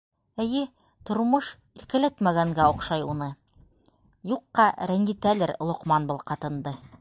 Эйе, тормош иркәләтмәгәнгә оҡшай уны: юҡҡа рәнйетәлер Лоҡман был ҡатынды.